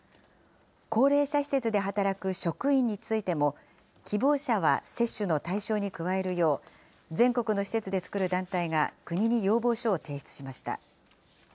高齢者施設で働く職員についても、希望者は接種の対象に加えるよう、全国の施設で作る団体が国に要望書を提出しました。